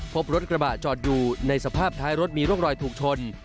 พบรถกระบะจอดอยู่ในสภาพท้ายรถมีร่องรอยถูกชน